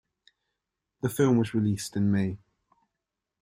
The film was released in May.